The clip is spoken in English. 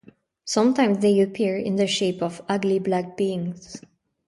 Sometimes they appear in the shape of ugly black beings.